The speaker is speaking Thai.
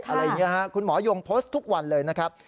อะไรอย่างนี้คุณหมอยงโพสต์ทุกวันเลยนะครับ